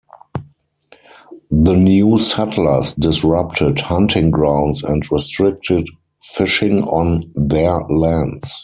The new settlers disrupted hunting grounds and restricted fishing on "their" lands.